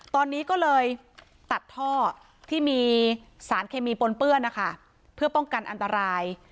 ตอนนี้ก็เลยตัดท่อที่มีสารเคมีปนเปื้อนนะคะเพื่อป้องกันอันตราย